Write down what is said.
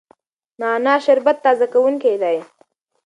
نعنا شربت تازه کوونکی دی.